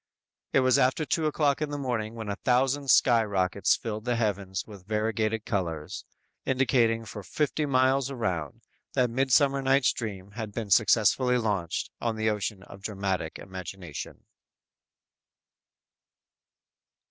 It was after two o'clock in the morning when a thousand sky rockets filled the heavens with variegated colors, indicating for fifty miles around, that "Midsummer Night's Dream" had been successfully launched on the ocean of dramatic imagination!